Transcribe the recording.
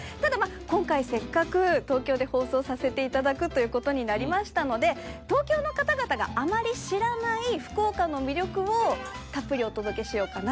今回せっかく東京で放送させていただくことになりましたので東京の方々があまり知らない福岡の魅力をお届けしようかなと。